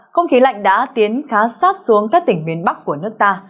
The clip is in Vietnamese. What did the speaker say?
không khí lạnh đã tiến khá sát xuống các tỉnh miền bắc của nước ta